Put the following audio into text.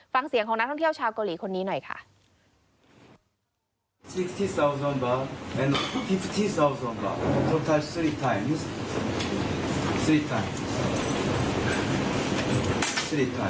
ฟังเสียงของนักท่องเที่ยวชาวเกาหลีคนนี้หน่อยค่ะ